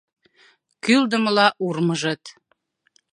Кӱлдымыла урмыжыт